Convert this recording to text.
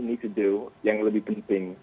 menurut oliver pras